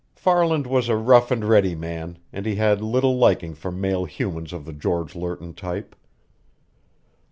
Farland was a rough and ready man, and he had little liking for male humans of the George Lerton type.